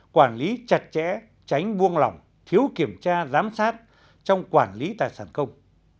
quản lý chặt chẽ tránh buông lỏng thiếu kiểm tra giám sát trong quản lý tài sản công